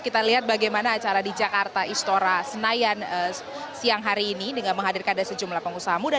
kita lihat bagaimana acara di jakarta istora senayan siang hari ini dengan menghadirkan ada sejumlah pengusaha muda